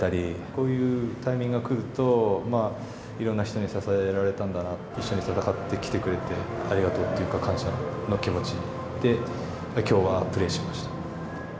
こういうタイミングが来ると、いろんな人に支えられたんだな、一緒に戦ってきてくれてありがとうっていうか、感謝の気持ちできょうはプレーしました。